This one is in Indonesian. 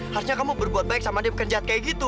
harusnya kamu berbuat baik sama dia pekerja kayak gitu